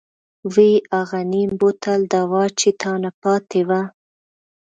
وۍ اغه نيم بوتل دوا چې تانه پاتې وه.